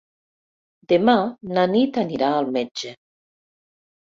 Demà na Nit anirà al metge.